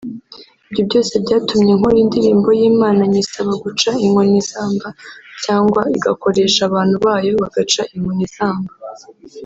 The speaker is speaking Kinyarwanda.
Ibyo byose byatumye nkora indirimbo y’Imana nyisaba guca inkoni izamba cyangwa igakoresha abantu bayo bagaca inkoni izamba